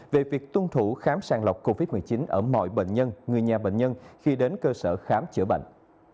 về việc tuân thủ khám sàng lọc covid một mươi chín ở mọi bệnh nhân người nhà bệnh nhân khi đến cơ sở khám chữa bệnh